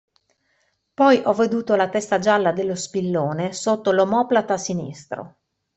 Poi ho veduto la testa gialla dello spillone sotto l'omoplata sinistro.